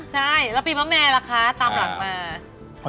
ใช่แล้วปีมะแม่ล่ะคะตามหลังมา